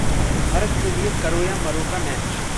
भारत के लिए करो या मरो का मैच